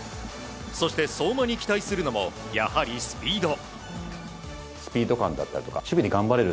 そして、相馬に期待するのもやはりスピード。